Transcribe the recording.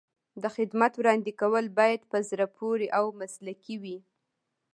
د خدمت وړاندې کول باید په زړه پورې او مسلکي وي.